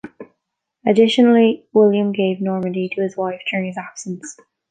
Additionally, William gave Normandy to his wife during his absence.